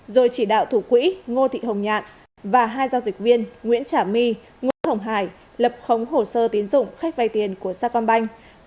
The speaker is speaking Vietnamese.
rồi chỉ đạo thủ quỹ ngô thị hồng nhạn và hai giao dịch viên nguyễn trả my ngô thổng hải lập khống hồ sơ tiến dụng khách vay tiền của saigon banh